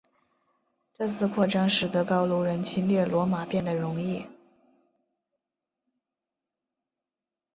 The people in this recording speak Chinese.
这次扩张使得高卢人侵略罗马变得容易。